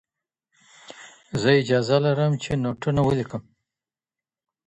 زه اجازه لرم چي نوټونه وليکم.